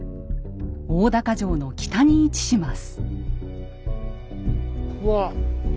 大高城の北に位置します。